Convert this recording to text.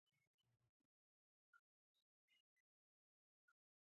څومره عمر لري؟